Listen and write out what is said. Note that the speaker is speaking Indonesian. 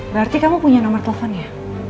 berarti kamu punya nomer telponnya